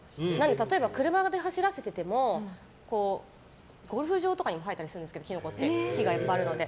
例えば、車を走らせててもゴルフ場とかにも生えてたりするんですけど木がいっぱいあるので。